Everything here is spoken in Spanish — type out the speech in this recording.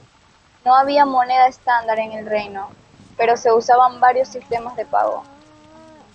No había moneda estándar en el reino, pero se usaban varios sistemas de pago.